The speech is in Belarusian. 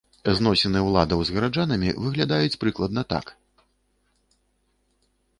Зносіны ўладаў з гараджанамі выглядаюць прыкладна так.